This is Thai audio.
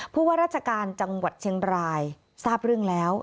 ผู้ว่าราชการจังหวัดเชียงรายทราบเรื่องแล้ว